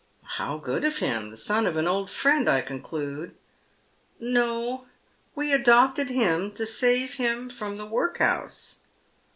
" How good of him ! The son of an old friend, I conclude." " No. We adopted him to save him from the workhouse."